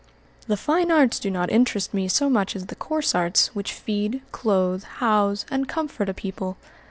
"The fine arts do not interest me so much as the coarse arts which feed, clothe, house, and comfort a people.